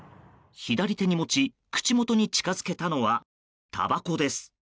左手に持ち口元に近づけたのはたばこです。